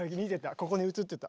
ここに映ってた。